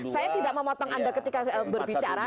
saya tidak memotong anda ketika berbicara